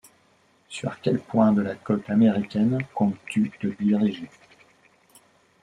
sur quel point de la côte américaine comptes-tu te diriger ?